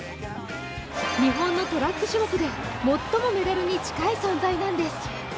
日本のトラック種目で最もメダルに近い存在なんです。